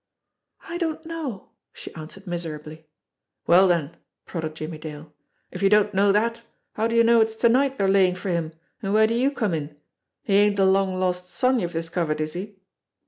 "I don't know," she answered miserably. "Well then," prodded Jimmie Dale, "if you don't know that, how do you know it's to night they're laying for him, and where do you come in ? He ain't a long lost son you've discovered, is he?"